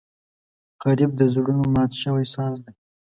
غریب د زړونو مات شوی ساز دی